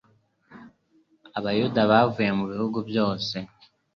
Abayuda bavuye mu bihugu byose,